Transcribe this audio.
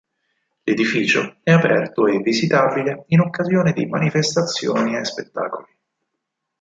L'edificio è aperto e visitabile in occasione di manifestazioni e spettacoli.